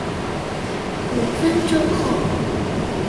五分鐘後